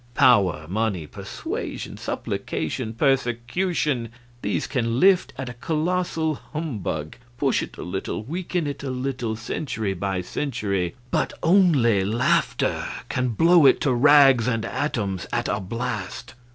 Power, money, persuasion, supplication, persecution these can lift at a colossal humbug push it a little weaken it a little, century by century; but only laughter can blow it to rags and atoms at a blast.